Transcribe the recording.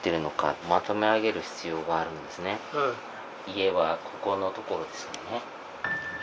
家はここのところですね。